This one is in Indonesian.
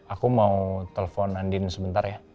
aku mau telepon andin sebentar ya